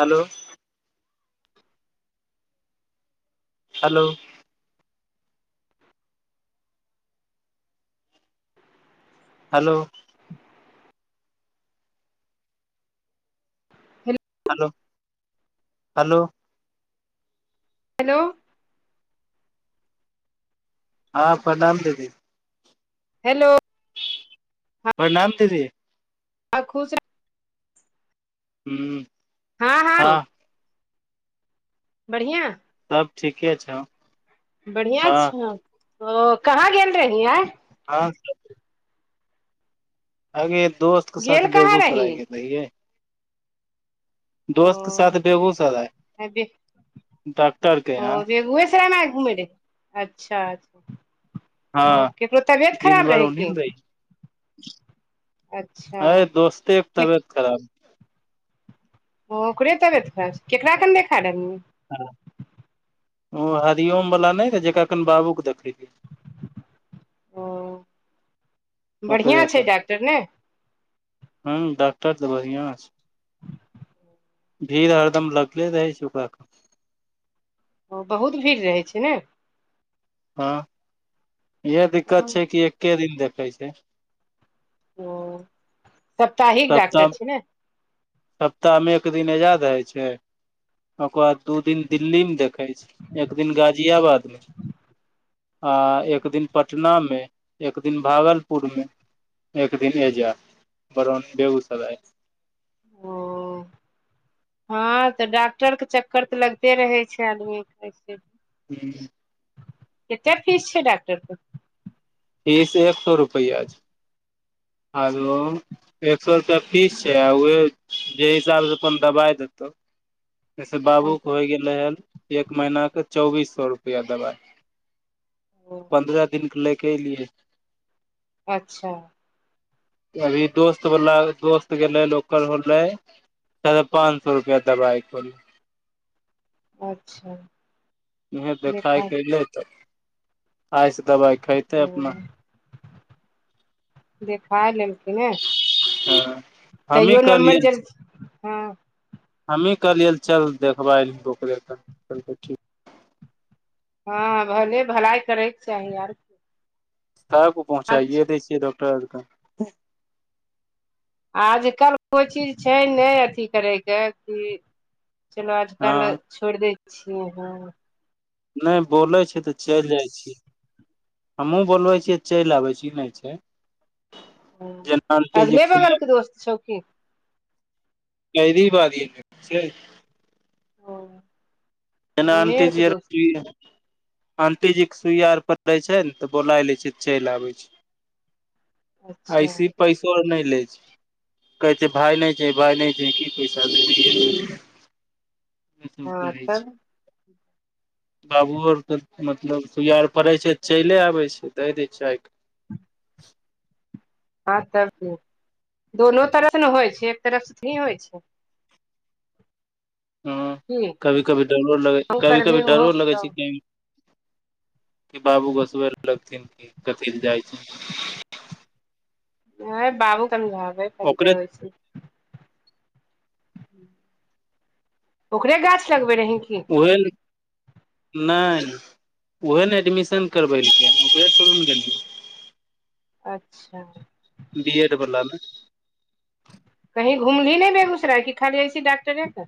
Hello hello hello [inaudible] hello hello hello हँ प्रणाम [unintelligible] दीदी हेलो प्रणाम दीदी आ खुश [inaudible] हु हँ बढ़िआँ सब ठीके छै बढ़िया छीयो न ओ कहाँ गेल रही आय हँ अगे दोस्त के साथ गेल कहाँ रही बेगूसराय गेल रहियै दोस्त के ओ साथ बेगूसराय - [inaudible] ओ यहाँ बेगूसराय मे आइ घूमै रही अच्छा अच्छा ओ हँ केकरो तबियत दिन खराब भर रहै ओन्ही की ने रही अच्छा अरे दोस्ते के तबियत खराब रहे ओ ओकरे तबियत खराब रहे केकरा कने देखा देब ह हरिओम बला नहि रहै जेकरा कन बाबूके देखैै ओ ओकरे बढ़िआँ छै कन डॉक्टर ने हँ डॉक्टर तऽ बढ़िआं छै भीड़ हरदम लगले रहै छैक ओकरा कन ओ बहुत भीड़ रहै छै हँ इहा दिक्कत छै कि एके दिन देखै छै ओ सप्ताहिक डॉक्टर छै नऽ सप्ताहमे एक दिन आजाद होइ छै ओकर बाद दू दिन दिल्ली मे देखे छै एक दिन गाजियाबाद मे आ एक दिन पटना मे एक दिन भागलपुरमे एक दिन एहिजाँ बरोनी बेगूसराय ओ [inaudible] हँ तऽ डॉक्टर कऽ चक्कर तऽ लगते रहै छै आदमी केँ से हुँ केतै फीस छै डाकटर कऽ फीस एक सौ रुपैया छै हलो एक सौ रुपैया फीस छै आ उहे जै हिसाबसँ अपन दबाइ देतौ जइ सँ बाबू कऽ होय गेलै रहैल एक महीना कऽ चौबीस सौउ रुपैया दबाइ पन्द्रह दिन कऽ लेय कऽ एलियै अच्छह अभी दोस्त वाला दोस्त गेले ओकर होलै साढे पाँच सौ रुपैया दबाइक होले अच्छा उहे देखाय देखा केँ एलै तऽ आइ सँ दबाइ खैतै अपना देखा लेलखिन नय हँ हमही तैयो कहलियै नम्बर जल्दी हँ हमही कहलियै चल देखबाय लेब ओकरे सँ कहलकै ठीक हँ भले भलाइ करैक चाही आउर तब पहुँचाइए दै छियै डॉकटर अर कऽ आजकल कोइ चीज छै नय अथी करैक कऽ की चलो हँ आजकल छोड़ दै छियै हँ नय बोलै छै तऽ चैल जाइ छी हमहूँ बोलबै छियै चैल आबै छी ई नय छै हुँ जेना आंटी जी अगले के बगल सुइया केँ दोस्त छौ की कैदी बादी केँ मित्र छै ओ जेना ओन्ने अंटी के जी आर दोस्त की आन्टी जी कऽ सुइया आर प तै छै नऽ तऽ बोलाय लै छितै चैल आबै छै अच्छा ऐसी पैसो आर नय ले छै कहै छै भाय नय छी भाय नय छी की पैसा [unintelligible] ई सब हँ कहै छै तब बाबुओ आरकेऽ मतलब सुइया आर पड़ै छै तऽ चइले आबै छै दै दै आय कऽ हँ तब की दो तरफ से नऽ होइ छै एक तरफ सँ भोड़ी होइ छै हँ की कभी कभी डरो लगै तू कभी कभी करबही ओहो डरो लगै छै करतौ कही कि बाबू घोसबै लगथिन कि कथी लऽ जाइ छै ऐ बाबू समझाबे परते ओकरे ओहि से ओकरे गाछ लगबे रहि की उहे नय उहे नऽ एडमिशन करबेलकै हँ ओकरे भुरू नऽ गेलियै अच्छा बी एड बलामे कही घुमली नय बेगूसराय की खाली ऐसी डॉकटरे तर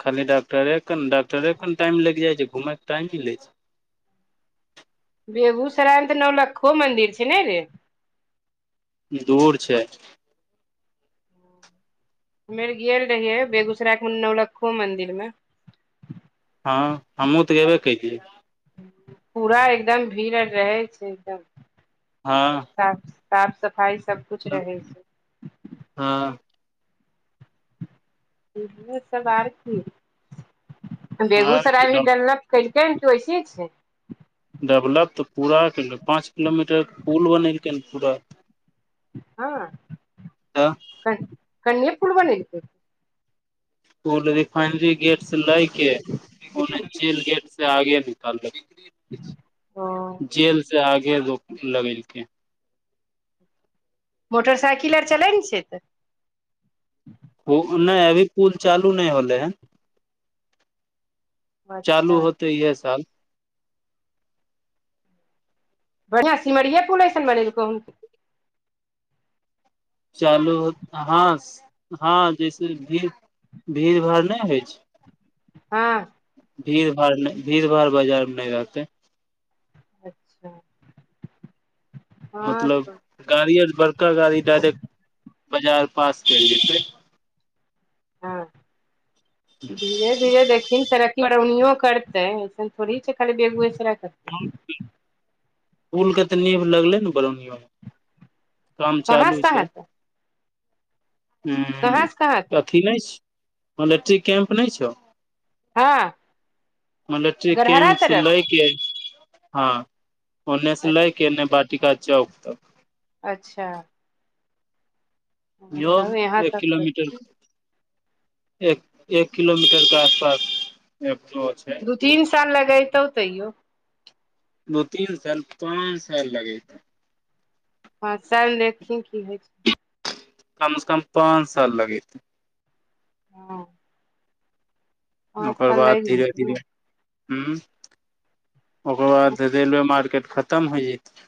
खाली डॉक्टरे कऽ नऽ डॉक्टरे कऽ नऽ टाइम लैग जाइ छै घुमेय केँ टाइम मिलै छै बेगूसरायमे तऽ नौलक्खो मंदिर छै नय रे दूर छै हम्मे आर गेल रहियै बेगूसराय के नौलक्खो मंदिर मे हाँ हमहुँ तऽ ऐबै कैलियै पूरा एकदम भीड़ आर रहै छै एकदम हाँ साफ साफ सफाइ सब कुछ रहै छै। हाँ [unintelligible] सब आर की बेगूसराय भी हँ गेल न कैलकै हन की ओइसिहि छै डेवलप तऽ पूरा केलकै पाँच किलोमीटर पुल बनेलकै हन पूरा हाँ तऽ कन कनिये पूल बनेलकै पूल रिफाइनरी गेट से लै के पूल जेल गेट से आगे निकाल लै ओ जेल से आगे एगो लगेलकै हन। मोटरसाइकिल आर चलै ने छै तऽ पु नय अभी पुल चालू नय होलै हन। तऽ चालू अच्छा होतै इहे साल बढ़ियाँ सिमरिये पुल ऐसन बनेेलकौ हन की चालू हाँ हाँ जैसे भीड़ भीड़ भाड़ नय होइ छै। हाँ। भीड़ भाड़ नय भीड़ भाड़ बाजारमे नय रहतै। अच्छा हँ मतलब तऽ गाड़ी आर बड़का गाड़ी डायरेक्ट बाजार पास चलि जेतै। हँ धीरे धीरे देखहिन तरक्की बड़ौनी करतै ऐहन थोड़हि छै जे खाली बेगूये सराय [inaudible] पुल के तऽ नीव लगलै ने बरौनीयों मे काम कहाँ चालू से छै कहाँ तक हुँ कहाँ से कहाँ तक अथी ई नय छै मलेट्री कैम्प नय छौ। हँ मलेट्री गरहरा कैंप से तरफ लैके हँ ओन्नेस लैके अच्छा एन्ने बाटिका चौक तक अच्छा तब योग यहाँ एक तक करबै किलोमीटर एक एक किलोमीटर के आस पास [unintelligible] दू तीन साल लगेैतौ तैयो दू तीन साल पाँन साल लगैतौ पाँच साल देखहिन की होय छै। कम से कम पाँच साल लगैतौ हाँ ओकर बाद लागि धीरे जेतै ने धीरे। हुँ ओकर हँ बाद रेलवे मार्केट खतम होइ जैतै।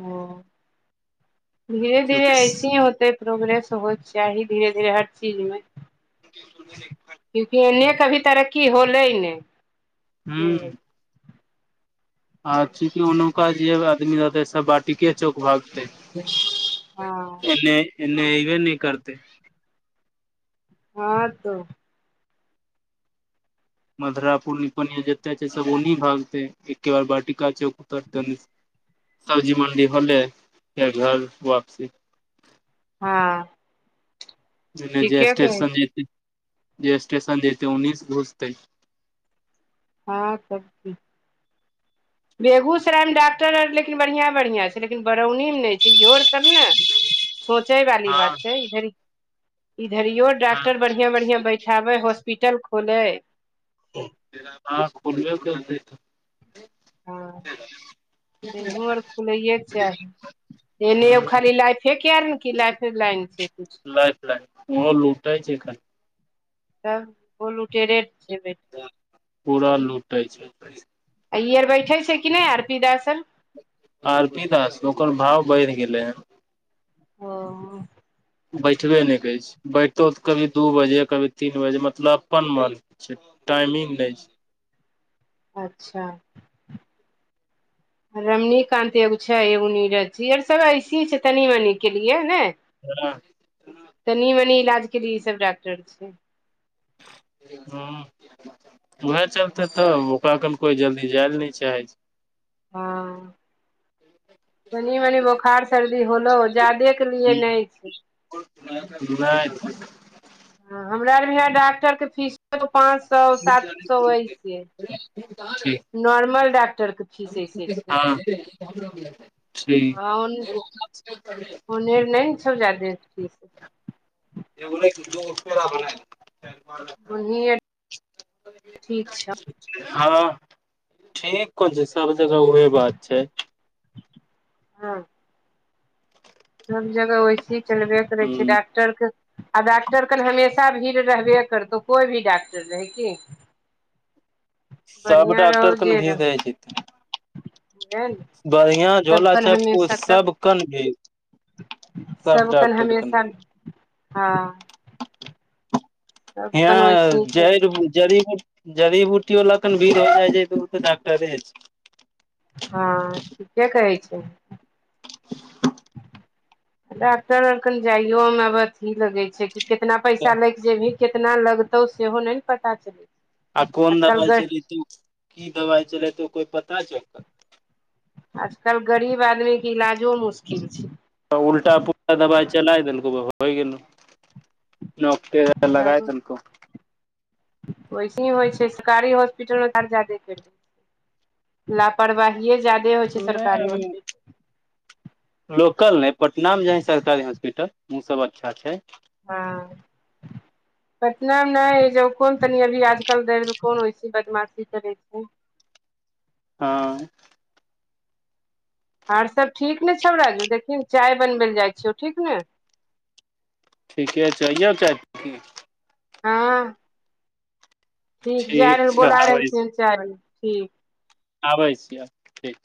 ओ धीरे धीरे चूँकि ऐसिहीं होतै। प्रोग्रेस होइके चाही धीरे धीरे हर चीज मे। क्यूंकि एन्ने कभी तरक्की होलै नय हुँ आ चुकि ओनौका जे आदमी रहतै सब बाटीके चौक भागतै। हँ एन्ने एन्ने अइबे नय करतै हाँ तऽ मधुरा पुल पणिया जते छै सब ओनहि भागतै एके बार बाटिका चौक पर कनी सब्जी मण्डी होलै फेर घर वापसी हाँ जेने जे स्टेशन छै जेतै जे स्टेशन जेतै ओन्ही से घुसतै हँ तब की बेगूओसरायमे डाक्टर आर लेकिन बढ़ियाँ बढ़ियाँ छै लेकिन बरौनी मे नय छै इहोर सब ने सोचै वाली बात हँ छै इधरी इधरियो हँ डाक्टर बढ़ियाँ बढ़ियाँ बैठाबै होस पीटल खोलै। [unintelligible] हाँ खोलबे करतै की इम्हरो आर खुलैेये के चाही इने एगो हुं। खाली लाइफे केयर ने की लाइफे लाइन छियै कुछ लाइफ लाइन ओहो लुटय छै खाली तब ओ लुटेरे के छै बेसी पूरा लूटै छै पैसा आ ई आर बैठे छै कि नय आर पी दास आर आर पी दास ओकर भाव बढ़ि गेलै हेन ओ बैठबे नय करै छै बैठतौ तऽ कभी दू बजे कभी तीन बजे मतलब अपन मन से छै टाइमिंग नय छै अच्छा [inaudible] रमणीकान्त एगो छै एगो नीरज जी आर सभ ऐसहि छै तनी मनी के लिए नय राह [unintelligible] तनी मनी इलाज के लिए ई सब डाक्टर छै हुँ उहे चलते तब ओकरा कन कोइ जल्दी जाय ले नय चाहै छै हँ [inaudible] तनी मनी बोखार सर्दी होलौ जादे के लिए नय छै। [unintelligible] नय नय हँ हमरा रहय डाक्टरके फीस पाँच सौ सात सौ ऐसे ठीक नॉर्मल डॉक्टर के फीस ऐसे छै [unintelligible] हँ ठीक ओने नै ने छौ जादे फीस [inaudible] [inaudible] ओनहिये ठीक छौ हँ ठीक कोन छै सब जगह उहे बात छै। हँ सब जगह वैसीही चलबे करै छै ह डाक डक्टरके आ डाक्टर कन हमेशा भीड़ रहबे करतौ कोइ भी डाक्टर रहै की सब बढ़ियां रहौ डाक्टर कऽ जे नऽ भीड़ रहौ रहै छै तऽ बुझलियै ने बढ़िया सब झोला कन छपकू हमेशा तब सब कन भीड़ सब कन हमेशा भी हँ सब हिया कन वैसे छै जैड़ जड़िमे जड़ी बूटी बला कन भीड़ हो जाइ छै तऽ उ तऽ डाक्टरे छै हँ ठीके कहै छै [inaudible] डाक्टर आर कन जाइयो मे अब अथी लगै छै कि कितना पैसा लाइ केँ जेबही केतना लगतौ सेहो नय नऽ पता चलै आ कोन आजकल दवाइ ग चलैतो की दवाइ चलेतो कोई पता चलतौ आजकल गरीब आदमीे केँ इलाजो मुश्किल छै उल्टा पुलटा दबाई चला देलको हेबा होय गेलौ नौ केँ तेरह लगाय देलकौ वैसही होइ छै सरकारी हॉस्पिटलमे तऽ आओर जादे पैर जेतो ला परवाहिए ज्यादे होइ छै नै सरकारी अभी हॉस्पिटल लोकल नइ पटना मे जे है सरकारी हॉस्पिटल उ सब अच्छा छै हँ [inaudible] पटना मे नय ई जे कोन तनि अभी आजकल दे कोन ऐसी बदमाशी करै छै हँ आओर सब ठीक नऽ छौ राजू देखहीन चाय बनबै लऽ जाइ छियौ ठीक नऽ ठीके छै आइयो चाय पऽ की हँ ठीक जाय रहल छै बोला आबै छी रहलखिन चाय बनबै लऽ ठीक। आबै छियौ ठीक